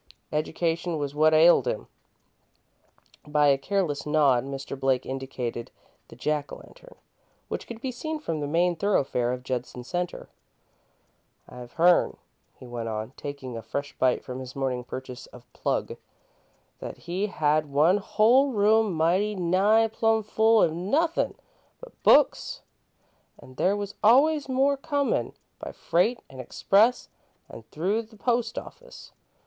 Education was what ailed him." By a careless nod Mr. Blake indicated the Jack o' Lantern, which could be seen from the main thoroughfare of Judson Centre. "I've hearn," he went on, taking a fresh bite from his morning purchase of "plug," "that he had one hull room mighty nigh plum full o' nothin' but books, an' there was always more comin' by freight an' express an' through the post office.